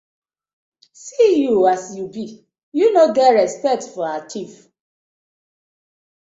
See yur as yu bi, yu no get respect for we chief.